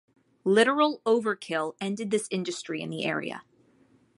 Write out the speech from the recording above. Literal overkill ended this industry in the area.